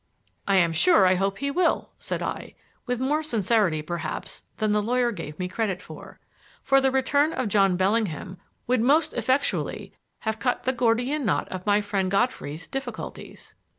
"I am sure I hope he will," said I, with more sincerity, perhaps, than the lawyer gave me credit for. For the return of John Bellingham would most effectually have cut the Gordian knot of my friend Godfrey's difficulties.